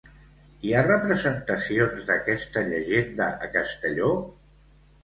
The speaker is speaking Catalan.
Hi ha representacions d'aquesta llegenda a Castelló?